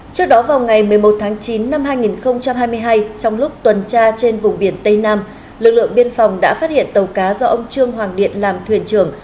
trước đó vào ngày một mươi một tháng chín năm hai nghìn hai mươi hai trong lúc tuần tra trên vùng biển tây nam lực lượng biên phòng đã phát hiện tàu cá do ông trương hoàng điện làm thuyền trưởng